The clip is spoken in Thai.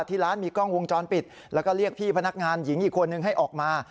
ที่ร้านมีกล้องวงจรปิดแล้วก็เรียกพี่พนักงานหญิงอีกคนนึงให้ออกมา